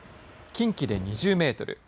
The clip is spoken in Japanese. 近畿で２０メートル。